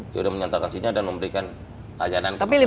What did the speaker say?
sudah menyantarkan sinyal dan memberikan ajanan ke masyarakat